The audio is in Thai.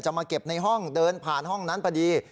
มาเก็บในห้องเดินผ่านห้องนั้นพอดี